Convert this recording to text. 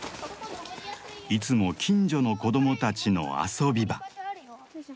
いつも近所の子供たちの遊び場。